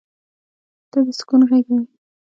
• ته د سکون غېږه یې.